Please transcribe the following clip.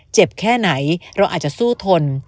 แค่ไหนเราอาจจะสู้ทน